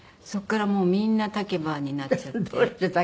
そこからもうみんな「たけばぁ」になっちゃって。